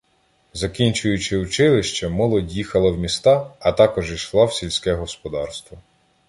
Закінчуючи училище, молодь їхала в міста, а також ішла в сільське господарство.